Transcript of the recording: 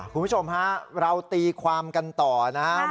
คุณผู้ชมฮะเราตีความกันต่อนะครับ